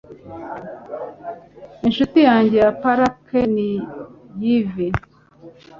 Inshuti yanjye ya Polack ni yves